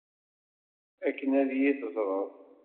Akken ad iyi-teẓreḍ.